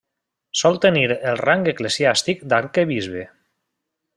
Sol tenir el rang eclesiàstic d'arquebisbe.